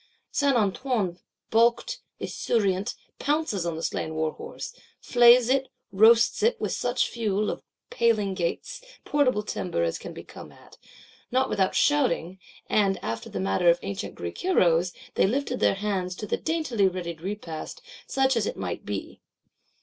Saint Antoine, baulked, esurient, pounces on the slain warhorse; flays it; roasts it, with such fuel, of paling, gates, portable timber as can be come at,—not without shouting: and, after the manner of ancient Greek Heroes, they lifted their hands to the daintily readied repast; such as it might be.